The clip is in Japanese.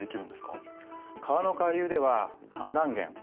川の下流では氾濫原